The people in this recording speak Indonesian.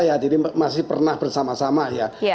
ya jadi masih pernah bersama sama ya